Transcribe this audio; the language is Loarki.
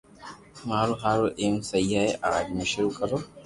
مارو ھارو ايم سھي ھي اج مون ݾروع ڪرو